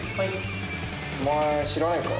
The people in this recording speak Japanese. お前知らないか？